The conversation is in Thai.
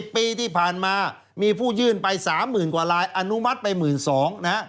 ๑๐ปีที่ผ่านมามีผู้ยื่นไป๓หมื่นกว่าร้ายอนุมัติเป็น๑๒นะ